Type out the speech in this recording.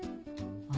あ。